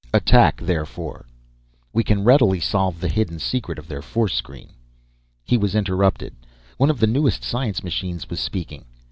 "Attack therefore!" "We can readily solve the hidden secret of their force screen." He was interrupted. One of the newest science machines was speaking.